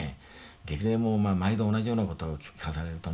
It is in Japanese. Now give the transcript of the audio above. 激励も毎度同じようなことを聞かされるとね